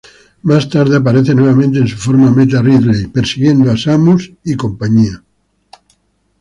Más tarde, aparece nuevamente en su forma Meta Ridley persiguiendo a Samus y compañía.